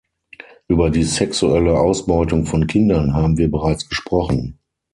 Über die sexuelle Ausbeutung von Kindern haben wir bereits gesprochen.